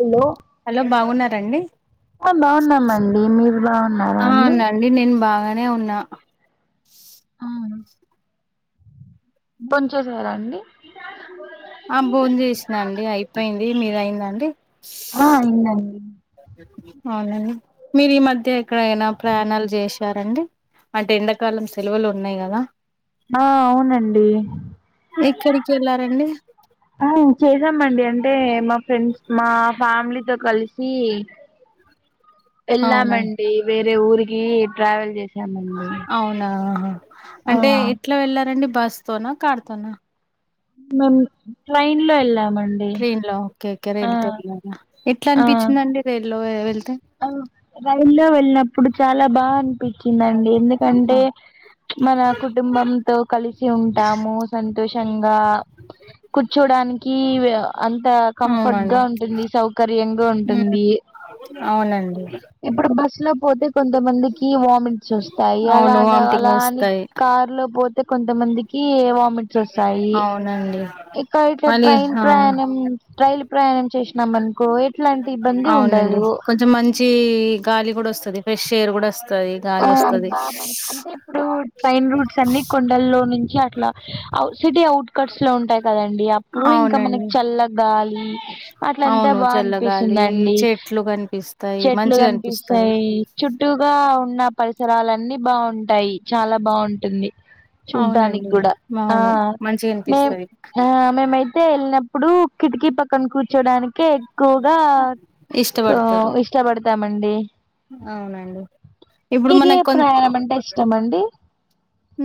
Hello hello బాగున్నారండి ఆ బాగున్నామండి మీరు బాగున్నారా అండి నే ఉన్నా భోంచేసార అండి ఆ బోన్ చేసినాండి అయిపోయింది మీరయిందండి ఆ అయిందండి అవునండి మీరు ఈ మధ్య ఎక్కడైనా ప్రయాణాలు చేసి తారండి అంటే ఎండాకాలం సెలవులు ఉన్నాయి కదా ఆ అవునండి ఎక్కడికి వెళ్ళారండి చేసామండి అంటే మా ఫ్రెండ్స్ మా ఫ్యామిలీ తో కలిసి అవునా ఎల్లామండి వేరే ఊరికి ట్రావెల్ చేస్ అవునాహా ఆ అంటే ఎట్లా వెళ్ళారండి బస్ తోన కార్ తోనా మేం ట్రైన్ లో వెళ్ళామ ట్రైన్ లో ఓకే ఓకే రైల్ త వెళ్ళారా ఎట్లా ఆ అనిపించిందండి రైల్ లో వె ఆ రైలు లో వెళ్ళినప్పుడు చాలా బాగా అనిపించిందండి ఆహా. ఎందుకంటే మన కుటుంబంతో కలిసి ఉంటాము సంతోషంగా కూర్చోడానికి వ్య అంత కంఫర్ట్ అవునండి గా ఉంటుంది సౌకర్యంగా ఉంటుంది నండి ఇప్పుడు బస్ లో పోతే కొంతమందికి వామిట్స్ వస్తాయి అలా అవును వామిటింగ్ అలాని వస్తాయి కార్లో పో కొంతమందికి వామిట్స్ వస్తాయి అవునండి ఇక అయితే మళ్ళీ ట్రైన్ ఆ ప్రయాణం రైలు ప్రయాణం చేసినాం అనుకో ఎట్లాంటి ఇబ్బంది ఉండదు చ్చ గాలి కూడా వస్తుంది ఫ్రెష్ ఎయిర్ కూడా వస్తుంది ఆ గాలి వస్ బా అంటే ఇప్పుడు ట్రైన్ రూట్స్ అన్ని కొండల్లో నుంచి అట్లా సిటీ అవుట్ కట్స్ లో ఉంటాయి కదండి అప్పుడు ఇంకా మనకి అవునండి చల్ల గాలి అట్లంతా అవును బా చల్లగాలి అనిపిస్తుందండి చెట్లు కనిపిస్తాయి చెట్లు మంచిగా అనిపిస్తాయి కనిపిస్తాయి చుట్టూ గా ఉన్న పరిసరలన్నీ బాగుంటాయి చాలా బాగుంటుంది చూడ్డానికి అవునండి కూడా ఆ అవును మంచిగా మే అనిపిస్తది ఆ మేమై వెళ్ళినప్పుడు కిటికీ పక్కన కూర్చోడానికి కె ఎక్కువగా ఆ ఇష్టపడతారు ఇష్టపడతామండి అవునండి ఇప్పుడు మీకే మనకు ప్రయాణం అంటే ఇష్టమండి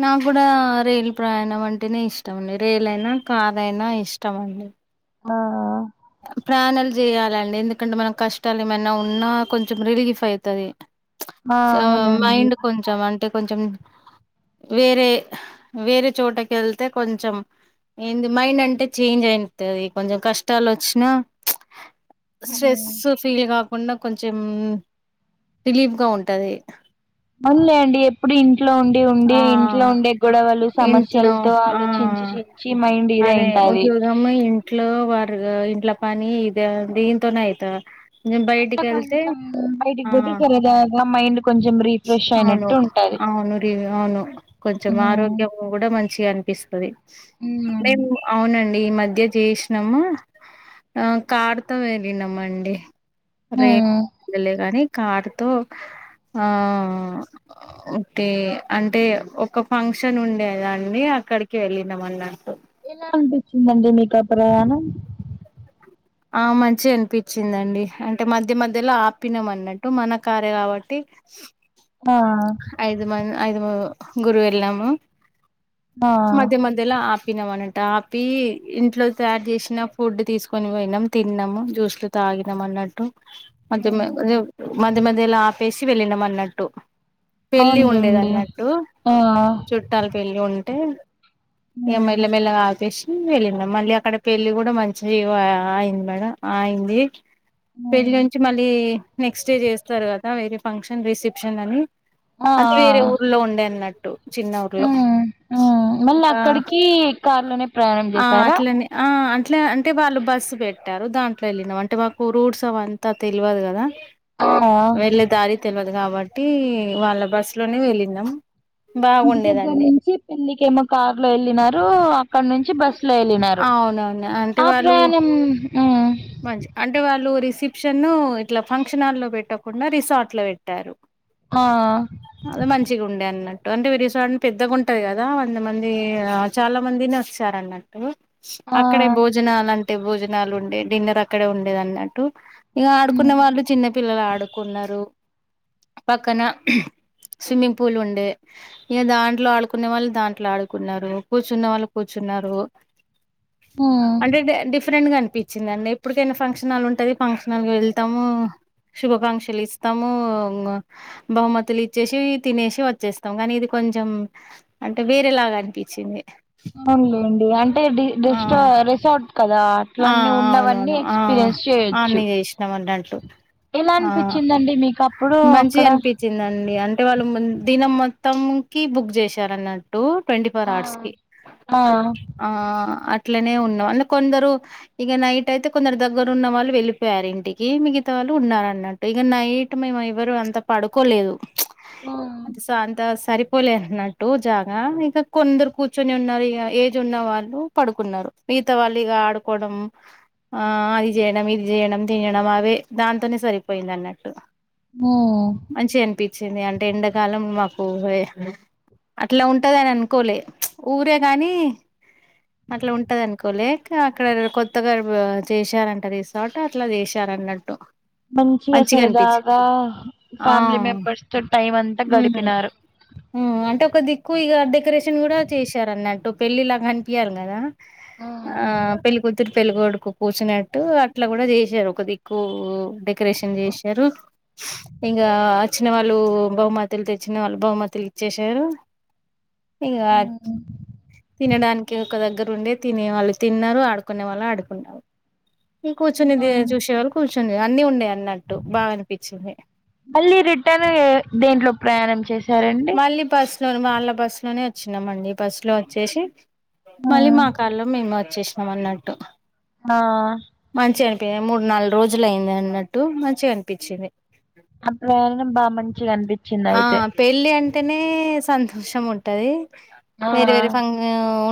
నా కూడా రైలు ప్రయాణం అంటేనే ఇష్టం అండి రైల అయినా కార్ అయినా ఇష్టమ అండి ఆ [inaudible] ప్రయాణాలు చేయాలండి ఎందుకంటే మన కష్టాలు ఏమైనా ఉన్నా కొంచెం రిలీఫ్ అయితది ఆ అవునండి మైండ్ కొంచెం అంటే కొంచెం వేరే వేరే చోటకి వెళ్తే కొంచెం ఏంది మైండ్ అంటే చేంజ్ అయెంతది కొంచెం కష్టాలు వచ్చినా స్ట్రెస్ ఫీల్ కాకుండా కొంచెం రిలీఫ్గా ఉంటది పోన్లే అండి ఎప్పుడు ఇంట్లో ఉండి ఆ ఉండి ఇంట్లో ఉండే గొడవలు ఇంట్లో సమస్యలతో ఆ ఆలోచిం చించి మైండ్ ఇదయింటది వర్ ఇంట్ల పని ఇది దీంతోనే అయిత అట్లా బయటికి వెళ్తే కొంచెం బయటికి పోటి ఆ సరదాగా మైండ్ కొంచెం రీఫ్రెష్ అవును అయినట్టు ఉంటై అవును రీ అవును కొంచెం ఉమ్ ఆరోగ్యం కూడా మంచిగా అనిపిస్తుది ఉమ్ మేము అవునండి ఈ మధ్య చేసినాము ఆ కారుతో వెళ్ళినాము అండి ఉమ్ రేలే గానీ కారు తో ఆ ఓకే అంటే ఒక ఫంక్షన్ ఉండేదా అండి అక్కడికి వెళ్ళినము అన్నట్టు ఎలా అనిపించిందండి మీకు ఆ ప్రయాణం ఆ మంచి అనిపించిందండి అంటే మధ్య మధ్యలో ఆపినం అన్నట్టు మన కారే కాబట్టి [unintelligible] ఆ ఐదు మంది ఐదు గురువు వెళ్ళాము ఆ మధ్య మధ్యలో అప్ టినం అనట ఆపి ఇంట్లో తయారు చేసిన ఫుడ్ తీసుకొని పూనమ్ తిన్నాం జూస్లు తాగినం అన్నట్టు మ మ్ ఉమ్ మధ్య మధ్య అప్ వేసి వెళ్ళినామ్ అన్నట్టు పెళ్లి ఉండేది అవునులేండి అన్నట్టు ఆ చుట్టాల పెళ్లి ఉం అంటే ఉమ్ మెల్లమెల్లగా ఆపేసి వెళ్ళినం మళ్ళీ అక్కడ పెళ్లి కూడా మంచి ఆయింది మేడం అయింది పెళ్ళి ఉమ్ నుంచి మళ్ళీ నెక్స్ట్ డే చేస్తారు కదా వేరే ఫంక్షన్ రిసెప్షన్ అని ఆ ఆ అది వేరే ఊర్లో ఉండే అన్నట్టు చిన్న ఊర్లో ఉమ్ ఉమ్ మళ్ళీ కా అక్కడికి కార్ లోనే ప్రయాణం ఆ చేసారా అట్లనే ఆ అట్లా అంటే వాళ్ళు బస్సు పెట్టారు దాంట్లో వెళ్ళినాము అంటే మాకు రూట్స్ అవంతా తెలియదు కదా ఆ వెళ్ళే దారి తెలియదు కాబట్టి వాళ్ళ బస్సు లోనే వెళ్ళినాం ఇంటి దగ్గర బాగుండేదండి నుంచి పెళ్ళకేమో కార్ లో వెళ్ళినారు అక్కడ నుంచి బస్సు లో వెళ్ళినారు అవునవును అంటే ఆ వాళ్ళు ప్రయాణం ఉమ్ మంచి అంటే వాళ్ళు రీస్ రిసప్షన్ ఇట్లా ఫంక్షన్ లో పెట్టకుండా రిసార్ట్ లో పెట్టారు ఆ మంచిగా ఉండే అన్నట్ అంటే రిసార్ట్ పెద్దగాంటది కదా వంద మంది చాలా మందిని వచ్చారు అన్నట్టు ఆ అక్కడే భోజనాలు అంటే భోజనాలు ఉండే డిన్నర్ అక్కడే ఉండేది అన్నట్టు ఇగ ఆడుకున్న హ్మ్ వాళ్ళు చిన్న పిల్లలు ఆడుకున్నారు పక్కన స్విమ్మింగ్ పూల్ ఉండే ఇక దాంట్లో ఆడుకునే వాళ్ళు దాంట్లో ఆడుకున్నారు కూర్చున్న వాళ్ళు కూర్చు అంటే డిఫరెంట్ గా అనిపించింది వచ్చిందండి ఎప్పుటికైనా ఫంక్షన్ల్ ఉంటది ఫంక్షన్ల్ వెళ్తాము శుభాకాంక్షలు ఇస్తాము బహుమతులు ఇచ్చేసి తినేసి వచ్చేస్తాము కానీ ఇది కొ కొంచెం అంటే వేరేలాగా అనిపించింది పోన్లే అంటే ఆ రస్ రిసార్ట్ కదా అట్లా ఆ ఎ అవునవును ఆ చేయచ్చ అన్ని చేసినాం అన్నట్లు ఎలా ఆ అనిపించిందండి మీకు అప్పుడు అక్కడ అండి అంటే వాళ్ళు దినం మొత్తం కి బుక్ చేశార అన్నట్టు ట్వంటీ ఫోర్ అవర్స్ కి ఆ ఆ అట్లనే ఉన్నాం అంటే కొందరు ఇక నైట్ అయితే కొందరు దగ్గర ఉన్న వాళ్ళు వెళ్ళిపోయారు ఇంటికి మిగతా వాళ్ళు ఉన్నారు అన్నట్టు ఇక నైట్ మే ముఎవరు అంత పడుకోలేదు అంత స అంత సరిపోలేఅన్నట్టు జాగ ఇక కొందరు కూర్చొని ఉన్నారు ఇగ ఏజ్ ఉన్న వాళ్ళు పడుకున్నారు మిగత వాళ్ళు ఇగ ఆడుకోవడం ఆ అది చేయడం ఇది చేయడం తినడం అవే దాంతోనే సరిపోయింది అన్నట్టు హ్మ్ మంచి అనిపించింది అంటే ఎండాకాలం మా ఊహే అట్లా ఉంటదని అనుకోలే ఊరే గానీ అట్లా ఉంటది అనుకోలే క అక్కడ కొ కొత్తగారు చేశారంట రిసోట అట్లా చేశారన్నట్టు మంచిగా సరదాగా ఆ ఫ్యామిలీ మెంబర్స్ తో టైం అంతా ఉమ్ గడిపినారు అంటే ఒక దిక్కువ ఇక డెకరేషన్ కూడా చేశారు అన్నట్టు పెళ్ళిలా కనిపియాలి కదా ఉమ్ ఆ పెళ్లికుది పెళ్ళికొడుకు కూచునట్టు అట్లా కూడా చేసారు ఒక దిక్కు డెకరేషన్ చేశారు ఇంగా వచ్చిన వాళ్ళు బహుమతులు తెచ్చిన వాళ్ళు బహుమతులు ఇచ్చేసారు ఇకా ఉమ్ తినడానికి ఒక దగ్గర ఉండే తినే వాళ్ళు తిన్నారు ఆడు కునే వాళ్ళు ఆడుకున్నావు ఇ కూర్చుని ఇంకా చూసేవాళ్ళు కూర్చుని అన్ని ఉన్నాయి అ మళ్ళీ రిటర్న్ దేంట్లో ప్రయాణం చేసి మళ్ళీ బస్ లో వాళ్ళ బస్సు లోనే వచ్చినమండి బస్సు లో వచ్చేసి ఆ మళ్ళీ మా కార్లో మేము వచ్చేసినం అన్నట్టు ఆ అంటే మూడు నాలుగు రోజులు అయింది అన్నట్టు మంచిగా అనిపించింది ఆ ప్రయాణం బాగా మంచిగా అనిపించింది ఆ అయితే పెళ్ళి అంటేనే సంతోషం ఉంటది వేరే ఆ వేరే ఫంన్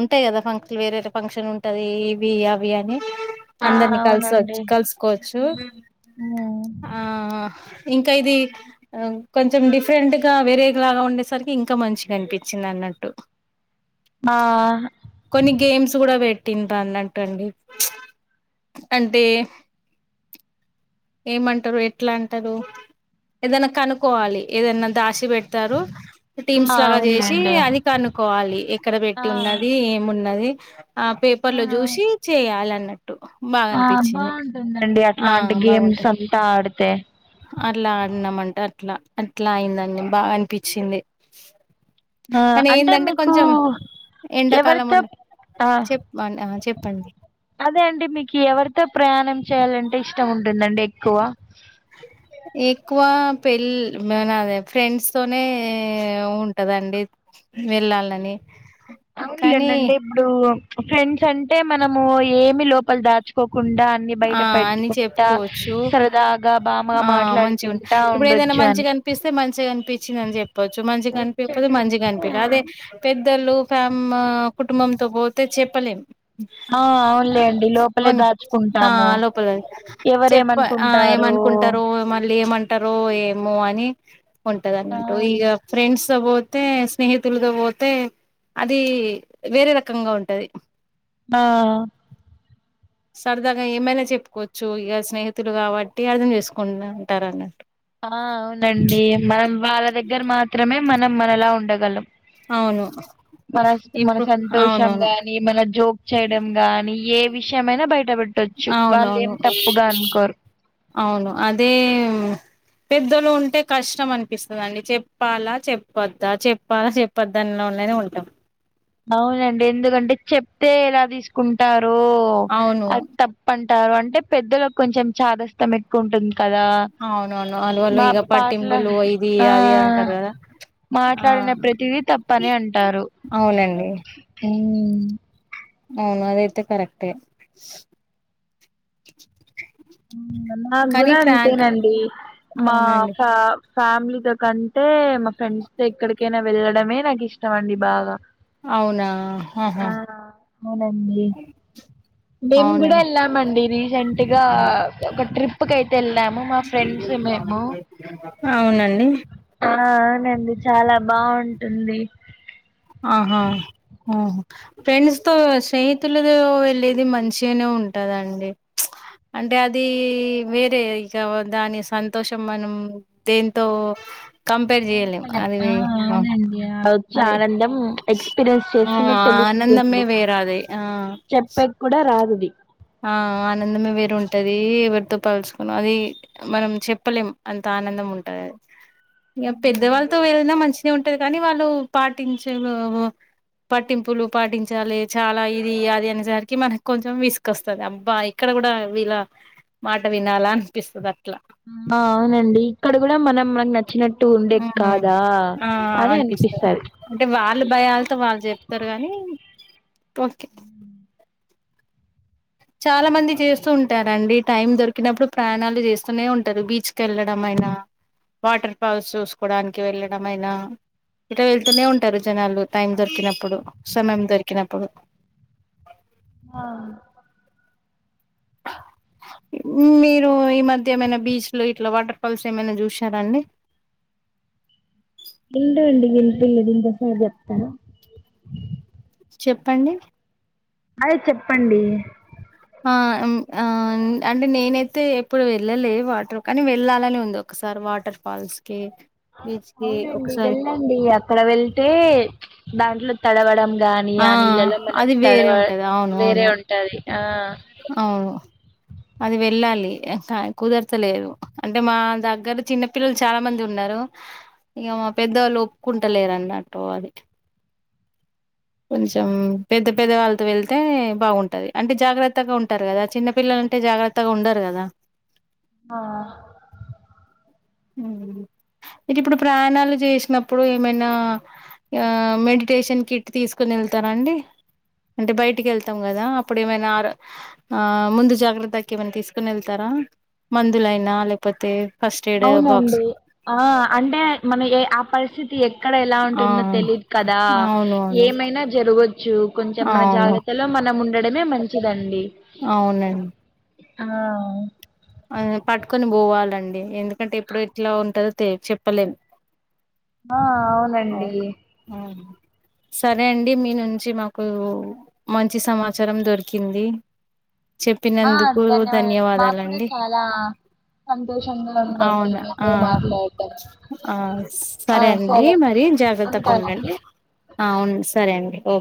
ఉంటాయి కదా ఫంక్షన్ వేరే వేరే ఫంక్షన్ ఉంటది ఇవి అవి అని ఆ అందరినీ కలిసొచ్చ అవునండి కలుసుకోవచ్చు ఉమ్ ఆ ఇంకా ఇది కొ కొంచెం డిఫరెంట్ గా వేరే లాగా ఉండేసరికి ఇంకా మంచిగా అనిపించింది అన్నట్టు ఆ కొన్ని గేమ్స్ కూడా పెట్ పట్టిన్ రన్నట్టు అండి అంటే ఏమంటారు ఎట్లా అంటారు ఏదన్నా కనుక్కోవాలి ఏదన్నా దాచి పెడతారు టీమ్స్ ఆ లాగా చేసి అవునులేండి అది కనుక్కోవాలి ఎక్కడ పెట్టి ఆ ఉన్నది ఏమున్నది ఆ పేపర్ ఆ లో చూసి చేయాలని ఆ బాగుంటుందండి ఆ అట్లాంటి గేమ్స్ బాగుంటాయి అంతా ఆడితే అట్లా ఆడినామంట అట్లా అట్లా అయిందండి బాగా అనిపించింది ఆ కానీ అంటే ఏందంటే మీకు కొంచెం ఎండాకాలం ఎవరితో ఉండ ఆ చెప్ ఆ చెప్పండి అదే అండి మీకు ఎవరితో ప్రయాణం చేయాలంటే ఇష్టం ఉంటుందండి ఎక్ ఎక్కువ [inaudible] ఎక్కువ పెళ్ళి మనాదే ఫ్రెండ్స్ తోనే ఉంటదండి వెళ్ళాలని అవునులేండి కానీ అంటే ఇప్పుడు ఫ్రెండ్స్ అంటే మనము ఏమి లోపల దాచుకో కుండా అన్ని ఆ బయట అని పెట్టుకుంటా చెప్పుకోవచ్చు సరదాగా బామ ఆ మంచిగుం మాట్లాడుకుంటా ఇప్పుడు ఉండొచ్చు ఏదైనా అని మంచిగా అనిపిస్తే మంచిగా అనిపించింది అని చెప్పొచ్చు మంచిగా అనిపికపోతే వచ్చేటివి మంచిగా అనిపిలే అనిపిస్తే అదే పెద్దలు ఫ్యామ్ కుటుంబంతో పోతే చెప్పలేం ఆ అవునులే అండి లోపలే వన్ దాచుకుంటు ఆ లోపలే చెప్ప ఆ ఎవరేమనుకుంటారు ఏమనుకుంటారు మళ్ళీ ఏమంటారో ఏమో అని ఉంటది ఆ అన్నట్టు ఇక ఫ్రెండ్స్ తో పోతే స్నేహితులు పోతే అది వేరే రకంగా ఉంటది ఆ సరదాగా ఏమైనా చెప్పుకోవచ్చు ఇక స్నేహితులు కాబట్టి అర్థం చేసుకుంట ఉంటారు అన్నట్టు ఆ అవునండి. మనం వాళ్ళ దగ్గర మాత్రమే మనం మనలా ఉండగలం. అవును మన, మన ఇప్పుడు సంతోషం అవునవును గాని, మన జోక్ చేయడం గానీ, ఏ విషయమైనా బయట పెట్టొచ్చు వాళ్ళు ఏం అవునవును. తప్పుగా అనుకోరు అవును. అదే, పెద్దలు ఉంటే కష్టం అనిపిస్తదండి, చెప్పాలా, చెప్పొద్దా, చెప్పాలా, చెప్పద్ద అన్నోనె నె ఉంటాం. అవునండి. ఎందుకంటే చెప్తే ఎలా తీసుకుంటారో, అవును అది తప్పన్ టారో అంటే పెద్దలకు కొంచెం చాదస్తం ఎక్కువుంటుంది. కదా! అవునవును వాళ్ళు వాళ్ళు మా ఇక పాటల, పట్టింపులు ఇది ఆ, అది అంటారు కదా ఆ మాట్లాడిన ప్రతిదీ తప్పనే అంటారు. డి మ్ అవును అదైతే కరెక్టే. మ్ నాక్కూడ కానీ ప్రాన్ అంతేనండి మా అవునండి ఫా ఫ్యామిలీతో కంటే, మా ఫ్రెండ్స్ తో ఎక్కడికైనా వెళ్ళడమే నాకిష్టం అండి బాగ. అవునా ఆ ఆహా అవునండి. మేము కూడా అవునండి వెళ్ళామండి. రీసెంట్ గా ఒక ట్రిప్ కయితే వెళ్ళాము. మా ఫ్రెండ్స్, మేము అవునండి. ఆ అవునండి. చాలా బాగుంటుంది. ఆహా హ ఫ్రెండ్స్ తో స్నేహితులతో వెళ్ళేది, మంచిగనే ఉంటదండి. అంటే అది వేరే ఇక దాని సంతోషం మనం దేంతో కంపేర్ చెయలేమ్. పోల్చలేం అది ఆ వే హమ్ అవునండి ఆ వచ్చే అది ఆనందం ఎక్స్పీరియన్స్ ఆ చేస్తేనే ఆనందమే తెలుస్తుంది వేరది. ఆ, చెప్పేకి కూడా రాదది ఆ. ఆనందమే వేరుంటది. ఎవరితో పాలుచుకున్నా అది మనం చెప్పలేం అంత ఆనందం ఉంటది అది. ఇగ పెద్దవాళ్ళతో వెళ్ళినా మంచి నే ఉంటది కానీ, వాళ్ళు పాటించే లొ బొ పట్టింపులు పాటించాలి. చాలా ఇది, అది అనేసరికి మనకు కొంచెం విసు కోస్తది. అబ్బా ఇక్కడ కూడా వీళ్ళ మాట వినాల, అనిపిస్తది అట్ల. మ్ ఆ అవునండి. ఇక్కడ కూడా మనం మనక్ న మ్ ఆ అనిపిస్తది. అంటే వాళ్ళ భయాలతో వాళ్ళు చెప్తారు కానీ, ఓకే. చాలా మంది చేస్తూ ఉంటారండి. టైం దొరికినప్పుడు ప్రయాణాలు చేస్తూనే ఉంటారు. బీచ్కెళ్ళడం అయి నా, వాటర్ ఫాల్స్ చూసుకోవడానికి వెళ్ళడం అయినా, ఇక ఎళ్తూనే ఉంటారు జనాలు. టైం దొరికినప్పుడు, సమయం దొరికినప్పుడు. [inaudible] ఆ [inaudible] మీరు ఈ మధ్య ఏమైనా బీచ్లు ఇట్లా వాటర్ ఫాల్స్ ఏమైనా చూసారా అండి? [inaudible] వింటాయండీ. వినిపిలేదు ఇంతసేపు చెప్తాన్నావ్ చెప్పండి. అదే చెప్పండి. ఆ ఉమ్ ఆ అన్ అంటే, నేనైతే ఎప్పుడు వెళ్ళలే వాటర్, కానీ వెళ్ళాలని ఉంది ఒకసారి వాటర్ ఫాల్స్ కి బీచ్ కి అవునండి. ఒకసారి వెళ్ళండి. అక్కడ వెళ్తే, దాంట్లో తడవడం. గానీ ఆ నిళ్లలో మనం అది వేరే తడవ ఉంటది అవును వేరే అవును ఉంటది. ఆ. అవును అది వెళ్ళాలి. కా కుదరతలేదు. అంటే, మా దగ్గర చిన్న పిల్లలు చాలా మంది ఉన్నా రు. ఇగ మా పెద్దోళ్ళు ఒప్పుకుంటలేరన్నట్టు అది. కొంచెం పెద్ద పెద్ద వాళ్ళతో వెళ్తే బాగుంటది అంటే జాగ్రత్త త్తగా ఉంటారు కదా చిన్న పిల్లలంటే జాగ్రత్తగా ఉండరు కదా ఆ హ్మ్ హు మీకు ఇప్పుడు ప్రయాణాలు చేసినప్పుడు ఏమైనా ఇగ మెడిటేషన్ కిట్ తీసుకొని వెళ్తార అండి అంటే బయటికి వెళ్తాం కదా అప్పుడు ఏమైనా ఆడ ఆ ముందు జాగ్రత్తకి ఏమైనా తీసుకుని వెళ్తారా మందులయినా లేపోతే అవునండి ఆ అంటే మనకి ఆ పరిస్థితి ఎ ఇక్కడ ఎలా ఆ ఉంటుందో తెలిదు కదా అవును అవును ఏమైనా జరగచ్చు కొంచెం మన అవును జాగ్రత్తలో మనం ఉన్ ఉండడమే మంచిదండి అవునండి ఆ ఆ ఇంగ పట్టుకొని పోవాలండి ఎందుకంటే ఎప్పుడు ఎట్లా ఉంటందో తె చెప్పలేం ఆ అవునండి సరే అండి మీ నుంచి మాకు మంచి సమాచారం దొరికింది చెప్పినందుకు ధన్యవాదాలండి లా అవునా ఆ మాట్లాడటం ఆ సరే అండి మరి డి జాగ్రత్త గా ఉండండి అవును సరే అండి ఓ